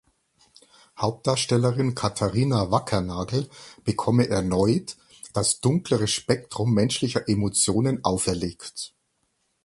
Hauptdarstellerin Katharina Wackernagel bekomme erneut „das dunklere Spektrum menschlicher Emotionen auferlegt“.